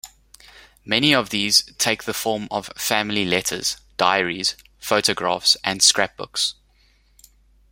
Many of these take the form of family letters, diaries, photographs, and scrapbooks.